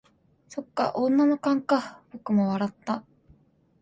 「そっか、女の勘か」僕も笑った。